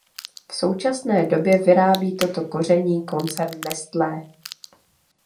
V současné době vyrábí toto koření koncern Nestlé.